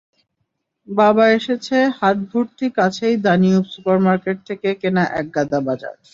বাবা এসেছে, হাতভর্তি কাছেই দানিয়ুব সুপার মার্কেট থেকে কেনা একগাদা বাজার।